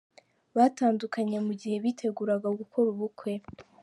Batandukanye mu gihe biteguraga gukora ubukwe.